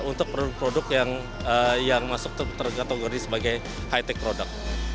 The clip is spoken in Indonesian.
untuk produk produk yang masuk terkategori sebagai high tech product